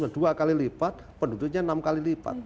dua kali lipat penduduknya enam kali lipat